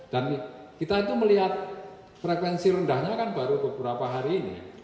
dan kita itu melihat frekuensi rendahnya kan baru beberapa hari ini